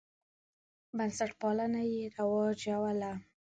بنسټپالنه یې رواجوله.